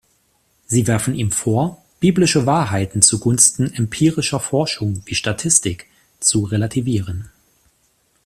Sie werfen ihm vor, biblische Wahrheiten zugunsten empirischer Forschung wie Statistik zu relativieren.